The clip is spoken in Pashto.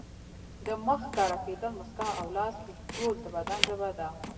د مخ ښکاره کېدل، مسکا او لاس اوږدول د بدن ژبه ده.